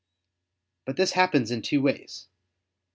But this happens in two ways.